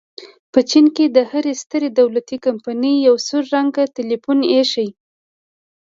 په چین کې د هرې سترې دولتي کمپنۍ یو سور رنګه ټیلیفون ایښی.